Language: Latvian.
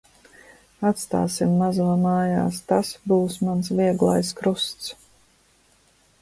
Atstāsim mazo mājās. Tas būs mans vieglais krusts.